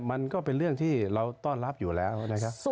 มันก็เป็นเรื่องที่เราต้อนรับอยู่แล้วนะครับ